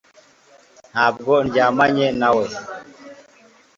Ntabwo ndyamanye nawe